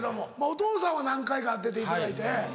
お父さんは何回か出ていただいて。